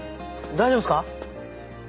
大丈夫ですか？